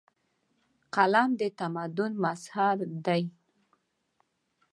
قلم د تمدن مظهر دی.